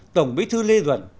tổng bí thư lê duẩn